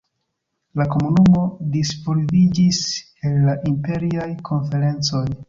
La Komunumo disvolviĝis el la Imperiaj Konferencoj.